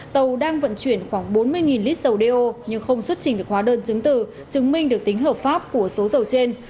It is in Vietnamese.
tàu đang vận chuyển khoảng bốn mươi lít dầu do nhưng không xuất trình được khóa đơn chứng tử chứng minh được tính hợp pháp của số dầu trên